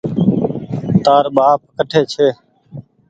تآر ٻآپ ڪٺي ڇي